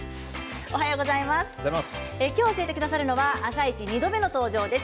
今日教えてくださるのは「あさイチ」２度目の登場です